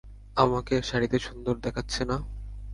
আমাকে শাড়িতে সুন্দর দেখাচ্ছে না?